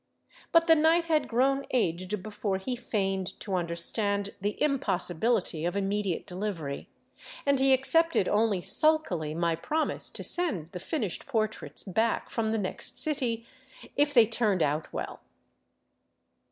But the night had grown aged before he feigned to understand the impossibility of immediate delivery, and he accepted only sulkily my promise to send the finished portraits back from the next city, " if they turned out well."